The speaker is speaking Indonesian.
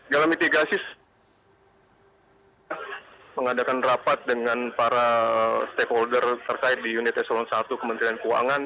dalam mitigasi mengadakan rapat dengan para stakeholder terkait di unit eselon i kementerian keuangan